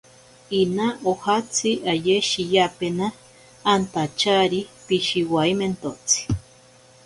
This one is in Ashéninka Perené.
Ina ojatsi aye shiyapena antachari pishiwaimentotsi.